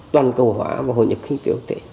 toàn cầu hóa và hội nhập kinh tế